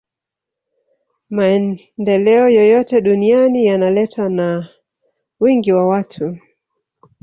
maendeleo yoyote duniani yanaletwa na wingi wa watu